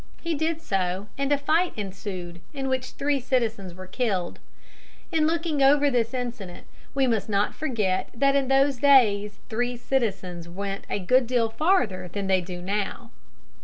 He did so, and a fight ensued, in which three citizens were killed. In looking over this incident, we must not forget that in those days three citizens went a good deal farther than they do now.